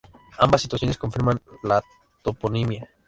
Ambas situaciones confirman la toponimia.